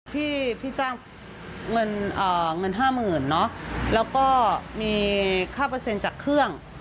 พี่จ้างเงินห้าหมื่นเนอะแล้วก็มีค่าเปอร์เซ็นต์จากเครื่อง